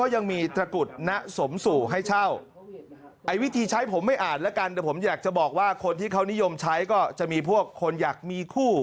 ยากจะบอกว่าคนที่เขานิยมใช้ก็จะมีพวกคนอยากมีคู่